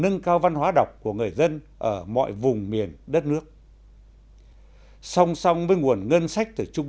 nâng cao văn hóa đọc của người dân ở mọi vùng miền đất nước song song với nguồn ngân sách từ trung